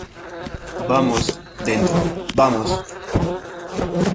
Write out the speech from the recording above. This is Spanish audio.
vamos, dentro. ¡ vamos!